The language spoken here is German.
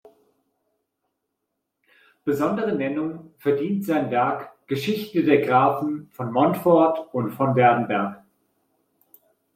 Besondere Nennung verdient sein Werk: "Geschichte der Grafen von Montfort und von Werdenberg".